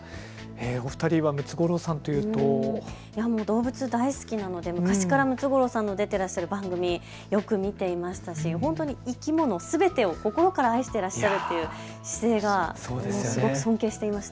お二人はムツゴロウさんというと動物大好きなので昔からムツゴロウさんの出ていらっしゃる番組、よく見ていましたし本当に生き物すべてを心から愛していらっしゃるという姿勢がすごく尊敬していました。